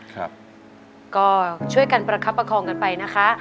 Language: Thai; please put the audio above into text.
ครับก็ช่วยกันประคับประคองกันไปนะคะ